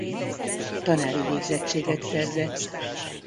Tanári végzettséget szerzett.